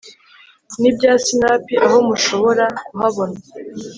nibya sinapi Aho mushobora kuhabona